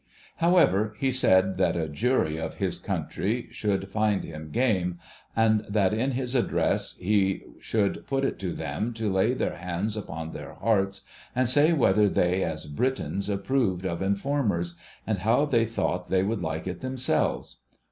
How ever, he said that a jury of his country should find him game ; and that in his address he should put it to them to lay their hands upon their hearts and say whether they as Britons approved of informers, and how they thought they would like it themselves.